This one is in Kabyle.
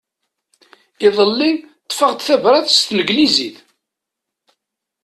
Iḍelli ṭṭfeɣ-d tabrat s tneglizit.